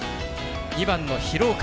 ２番の廣岡。